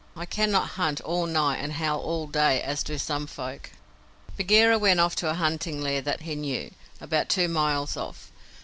I cannot hunt all night and howl all day, as do some folk." Bagheera went off to a hunting lair that he knew, about two miles off.